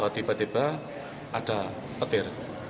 tiba tiba ada petir